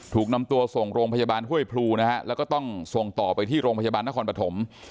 ถูกนำตัวส่งโรงพยาบาลห้วยพลูนะฮะแล้วก็ต้องส่งต่อไปที่โรงพยาบาลนครปฐม